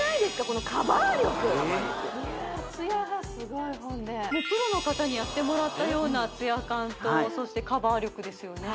このカバー力ツヤがすごいほんでプロの方にやってもらったようなツヤ感とそしてカバー力ですよね